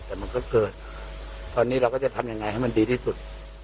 แต่มันก็เกิดตอนนี้เราก็จะทำยังไงให้มันดีที่สุด